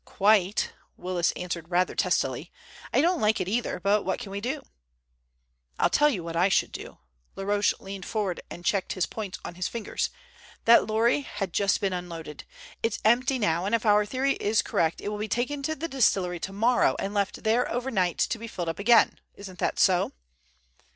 "Quite," Willis answered rather testily. "I don't like it either, but what can we do?" "I'll tell you what I should do." Laroche leaned forward and checked his points on his fingers. "That lorry had just been unloaded. It's empty now, and if our theory is correct it will be taken to the distillery tomorrow and left there over night to be filled up again. Isn't that so?"